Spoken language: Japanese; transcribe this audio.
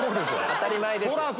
当たり前ですよ。